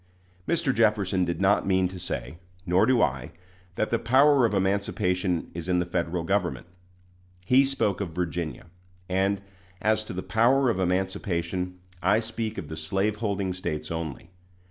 Mr. Jefferson did not mean to say, nor do I, that the power of emancipation is in the Federal Government. He spoke of Virginia; and, as to the power of emancipation, I speak of the slaveholding States only.